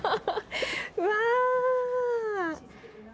うわ。